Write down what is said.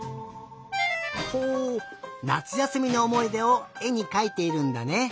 ほうなつやすみのおもいでをえにかいているんだね。